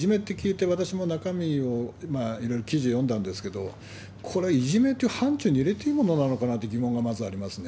まずこのいじめって聞いて、私も中身を、いろいろ記事読んだんですけれども、これ、いじめっていう範ちゅうに入れていいものなのかなっていうのが疑問がまずありますね。